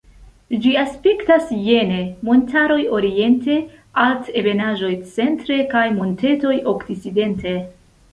Ĝi aspektas jene: montaroj oriente, altebenaĵoj centre kaj montetoj okcidente.